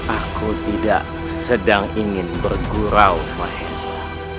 aku tidak sedang ingin bergurau mahesa